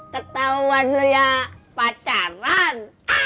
ketauan lu ya pacaran